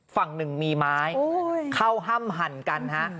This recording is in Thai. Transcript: ฝั่งหนึ่งมีไม้เข้าห้ามหั่นกันฮะ